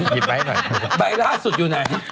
หยิบไว้หน่อย